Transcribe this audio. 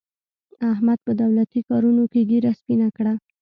احمد په دولتي کارونو کې ږېره سپینه کړه.